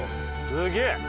すげえ。